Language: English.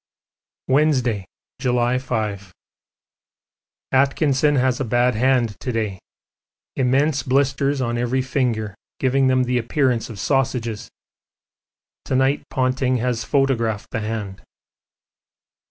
Wednesday, July 5. Atkinson has a bad hand to day, immense blisters on every finger giving them the appearance of sausages. To night Ponting has photographed the hand.